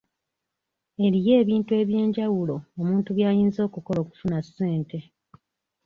Eriyo ebintu eby'enjawulo omuntu by'ayinza okukola okufuna ssente.